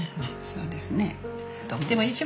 そうですね。